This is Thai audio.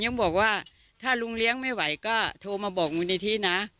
ยังบอกว่าถ้าลุงเลี้ยงไม่ไหวก็โทรมาบอกมูลนิธินะ